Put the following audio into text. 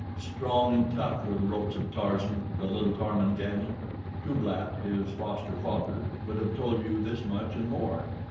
Strong and tough were the ropes of Tarzan, the little Tarmangani. Tublat, his foster father, would have told you this much and more.